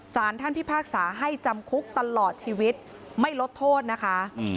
สารท่านพิพากษาให้จำคุกตลอดชีวิตไม่ลดโทษนะคะ